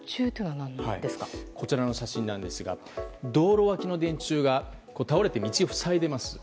こちらの写真ですが道路脇の電柱が倒れて道を塞いでいます。